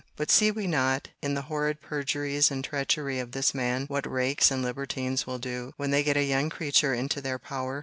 But see we not, in the horrid perjuries and treachery of this man, what rakes and libertines will do, when they get a young creature into their power!